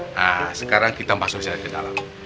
nah sekarang kita masuk saja ke dalam